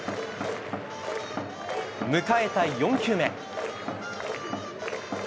迎えた４球目。